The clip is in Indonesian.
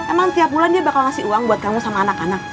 emang tiap bulan dia bakal ngasih uang buat kamu sama anak anak